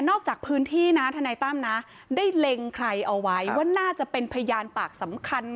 จากพื้นที่นะทนายตั้มนะได้เล็งใครเอาไว้ว่าน่าจะเป็นพยานปากสำคัญ